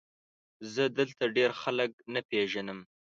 زه دلته ډېر خلک نه پېژنم ؟